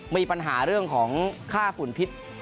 มีปัญหาเรื่องของค่าฝุ่นพิษ